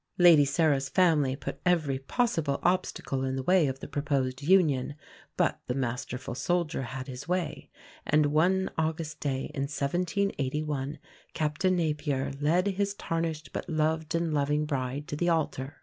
Lady Sarah's family put every possible obstacle in the way of the proposed union, but the masterful soldier had his way; and one August day in 1781 Captain Napier led his tarnished but loved and loving bride to the altar.